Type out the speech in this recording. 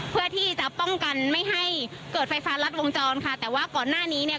เพื่อที่จะป้องกันไม่ให้เกิดไฟฟ้ารัดวงจรค่ะแต่ว่าก่อนหน้านี้เนี่ย